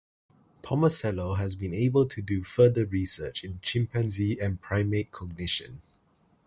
Tomasello has been able to do further research in chimpanzee and primate cognition.